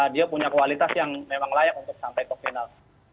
dia punya kualitas yang memang layak untuk sampai ke final